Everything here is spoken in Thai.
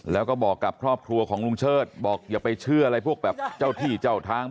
แล้วก็บอกกับครอบครัวของลุงเชิดบอกอย่าไปเชื่ออะไรพวกแบบเจ้าที่เจ้าทาง